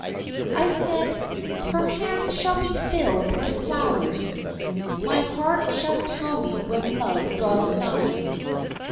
I said, "Her hands shall be filled with flowers, (My heart shall tell me when Love draws nigh!)